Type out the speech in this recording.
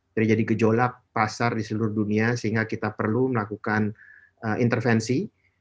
terjadi gejolak pasar di seluruh dunia sehingga kita perlu melakukan intervensi